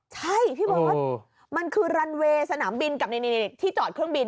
ใช่พี่เบิร์ตมันคือรันเวย์สนามบินกับที่จอดเครื่องบิน